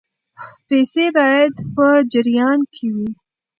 پیسې باید په جریان کې وي.